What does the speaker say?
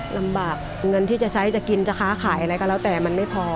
ลำบากเงินที่จะใช้จะกินจะค้าขายอะไรก็แล้วแต่มันไม่พอ